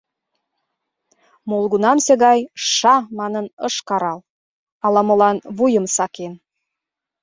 Молгунамсе гай «ша!» манын ыш карал, ала-молан вуйым сакен.